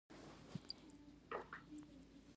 دوکاندار د ټولنې د غم ښادۍ شریک دی.